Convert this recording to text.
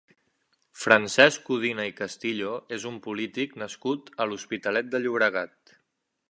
Francesc Codina i Castillo és un polític nascut a l'Hospitalet de Llobregat.